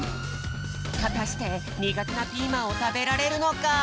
はたしてにがてなピーマンをたべられるのか！？